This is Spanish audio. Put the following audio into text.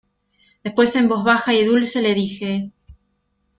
después en voz baja y dulce, le dije: